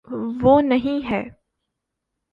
وہ نہیں ہے۔